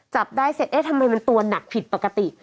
จับได้เสร็จเอ๊ะทำไมมันตัวหนักผิดปกติ